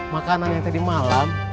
makanan yang tadi malam